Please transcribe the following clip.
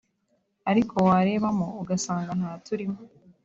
ariko warebamo ugasanga ntaturimo